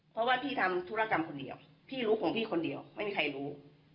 เพราะว่าพี่ทำธุรกรรมคนเดียวพี่รู้ของพี่คนเดียวไม่มีใครรู้